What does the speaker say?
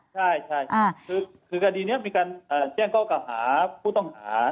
ใช่คือคดีนี้มีการแจ้งข้อเก่าหาผู้ต้องหา